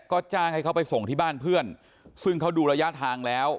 ก็จ้างให้เขาไปส่งที่บ้านเพื่อนซึ่งเขาดูระยะทางแล้ว